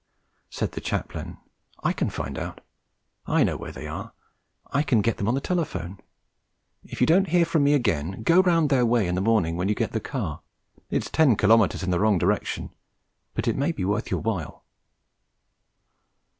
Said the Chaplain: 'I can find out. I know where they are. I can get them on the telephone. If you don't hear from me again, go round their way in the morning when you get the car. It's ten kilometres in the wrong direction, but it may be worth your while.'